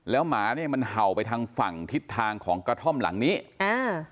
แล้วหมาเนี้ยมันเห่าไปทางฝั่งทิศทางของกระท่อมหลังนี้อ่า